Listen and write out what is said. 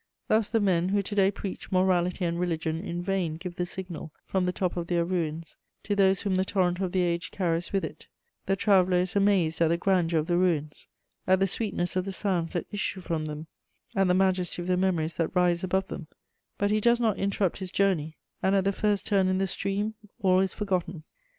Thus the men who to day preach morality and religion in vain give the signal from the top of their ruins to those whom the torrent of the age carries with it; the traveller is amazed at the grandeur of the ruins, at the sweetness of the sounds that issue from them, at the majesty of the memories that rise above them, but he does not interrupt his journey, and at the first turn in the stream all is forgotten." [Sidenote: Avignon.